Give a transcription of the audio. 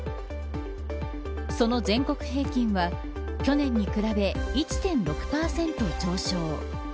その全国平均は去年に比べ１．６％上昇。